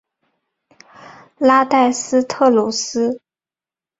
拉代斯特鲁斯。